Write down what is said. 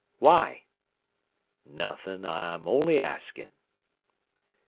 "Why?" "Nothing I'm only asking."